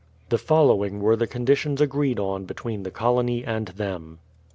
The following were the conditions agreed on between the colony and them: 1.